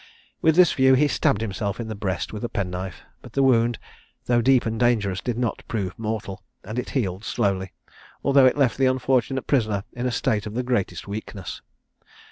With this view he stabbed himself in the breast with a penknife; but the wound, though deep and dangerous, did not prove mortal, and it healed slowly, although it left the unfortunate prisoner in a state of the greatest weakness.